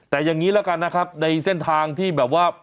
แต่อย่างนี้แล้วกันนะครับในเส้นทางที่แบบว่า